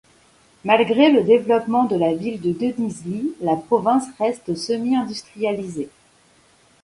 Malgré le développement de la ville de Denizli, la province reste semi industrialisée.